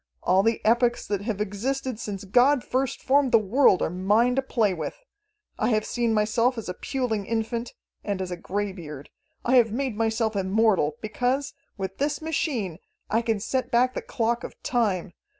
All the epochs that have existed since God first formed the world are mine to play with! I have seen myself as a puling infant, and as a greybeard. I have made myself immortal, because, with this machine, I can set back the clock of time.